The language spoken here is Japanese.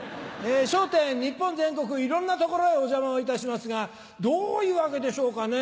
『笑点』日本全国いろんな所へお邪魔をいたしますがどういうわけでしょうかね